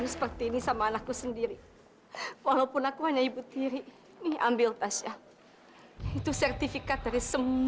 seperti sama anakku sendiri walaupun aku hanya ibu sendiri nih ambil tasnya itu sertifikat dari